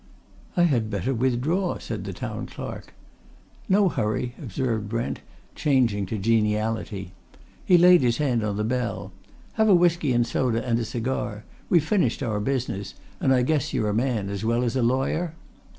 "I had better withdraw," said the Town Clerk. "No hurry," observed Brent, changing to geniality. He laid his hand on the bell. "Have a whisky and soda and a cigar? We've finished our business, and I guess you're a man as well as a lawyer?"